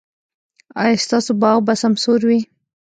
ایا ستاسو باغ به سمسور وي؟